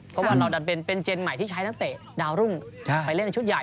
เพราะว่าเราดันเป็นเจนใหม่ที่ใช้นักเตะดาวรุ่งไปเล่นในชุดใหญ่